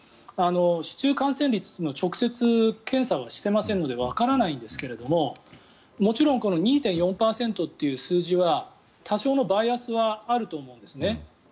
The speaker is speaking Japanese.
市中感染率っていうのは直接検査はしていませんのでわからないんですけどもちろん２．４％という数字は多少のバイアスはあると思うんですね。